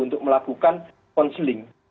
untuk melakukan konseling